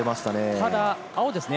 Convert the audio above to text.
ただ青ですね。